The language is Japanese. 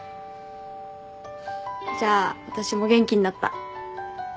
じゃあ私も元気になった。